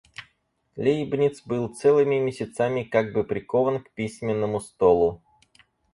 Лейбниц был целыми месяцами как бы прикован к письменному столу.